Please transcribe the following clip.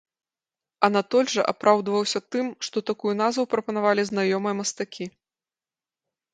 Анатоль жа апраўдваўся тым, што такую назву прапанавалі знаёмыя мастакі.